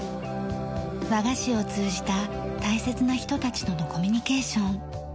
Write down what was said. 和菓子を通じた大切な人たちとのコミュニケーション。